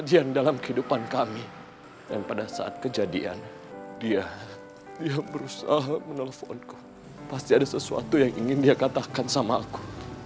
kesedihan dalam kehidupan kami dan pada saat kejadian dia berusaha menelponku pasti ada sesuatu yang ingin dia katakan sama aku